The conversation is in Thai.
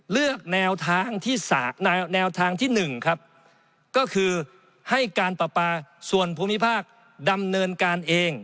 เลือกแนวทางที่แนวทางที่๑ครับก็คือให้การปราปาส่วนภูมิภาคดำเนินการเอง